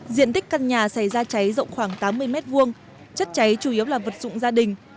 diện tích căn nhà xảy ra cháy rộng khoảng tám mươi m hai chất cháy chủ yếu là vật dụng gia đình